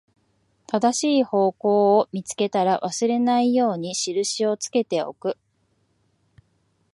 正しい方向を見つけたら、忘れないように印をつけておく